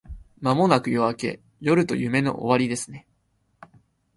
間もなく夜明け…夜と夢の終わりですね